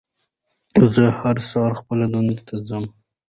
زه هر سهار خپلې دندې ته ځم